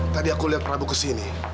tadi aku lihat prabu kesini